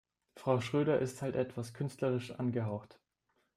Frau Schröder ist halt etwas künstlerisch angehaucht.